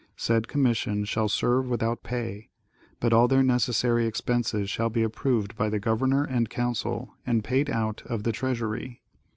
Said Commission shall serve without pay, but all their necessary expenses shall be approved by the governor and council, and paid out of the treasury.